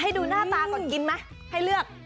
ดูหน้าตาก่อนกินไหมให้เลือก